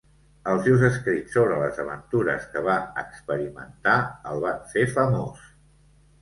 Els seus escrits sobre les aventures que va experimentar el van fer famós.